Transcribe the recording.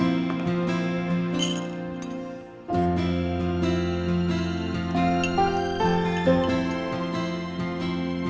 aku mau bikin ada yang started